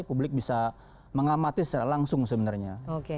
publik bisa mengamati secara langsung sebenarnya